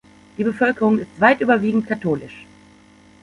Die Bevölkerung ist weit überwiegend katholisch.